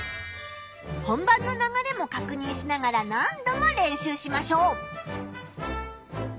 本番の流れもかくにんしながら何度も練習しましょう！